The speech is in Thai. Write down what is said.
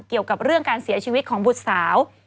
เกี่ยวกับเรื่องการเสียชีวิตของบุตรสาว